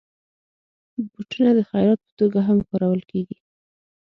بوټونه د خيرات په توګه هم ورکول کېږي.